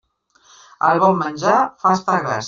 El bon menjar fa estar gras.